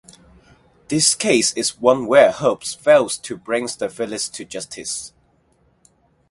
This case is one where Holmes fails to bring the villains to justice.